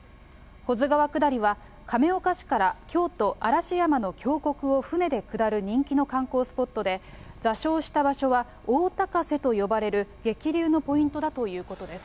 保津川下りは、亀岡市から京都・嵐山の峡谷を船で下る人気の観光スポットで、座礁した場所は、大高瀬と呼ばれる激流のポイントだということです。